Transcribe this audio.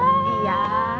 awas pelan pelan ya